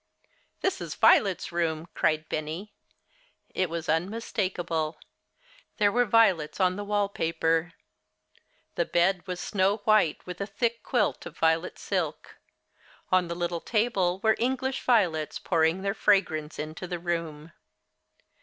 "This is Violet's room!" cried Benny. It was unmistakable. There were violets on the wallpaper. The bed was snow white with a thick quilt of violet silk. On the little table were English violets, pouring their fragrance into the room.